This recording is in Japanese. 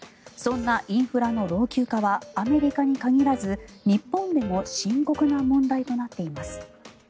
そんなインフラの老朽化はアメリカに限らず日本でも深刻な問題となっています。